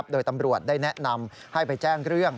โดยตำรวจได้แนะนำให้ไปแจ้ง